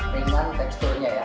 ringan teksturnya ya